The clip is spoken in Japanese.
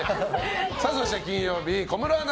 そして金曜日、小室アナ